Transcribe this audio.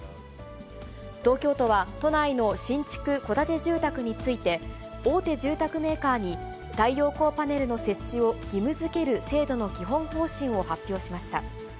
東京都は、都内の新築戸建て住宅について、大手住宅メーカーに太陽光パネルの設置を義務づける制度の基本方針を発表しました。